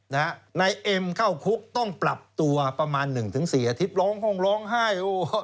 นายเอ็มเข้าคุกต้องปรับตัวประมาณหนึ่งถึงสี่อาทิตย์ร้องห้องร้องไห้